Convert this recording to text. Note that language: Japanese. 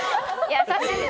優しい！